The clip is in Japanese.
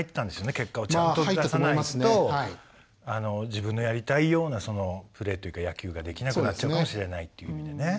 結果をちゃんと出さないと自分のやりたいようなプレーというか野球ができなくなっちゃうかもしれないっていう意味でね。